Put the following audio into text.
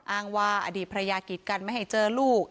อ้างว่าอดีตภรรยากิดกันไม่ให้เจอลูก